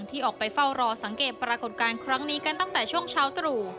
ที่ออกไปเฝ้ารอสังเกตปรากฏการณ์ครั้งนี้กันตั้งแต่ช่วงเช้าตรู่